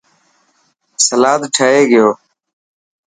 سلاد ٺهي گيو.